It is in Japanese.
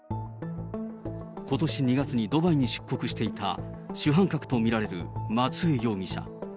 ことし２月にドバイに出国していた主犯格と見られる松江容疑者。